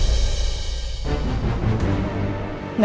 kamu akan sendiri